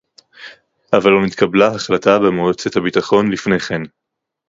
אבל לא נתקבלה החלטה במועצת הביטחון לפני כן